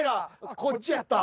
こっちやった。